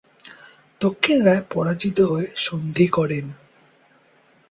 দক্ষিণ রায় পরাজিত হয়ে সন্ধি করেন।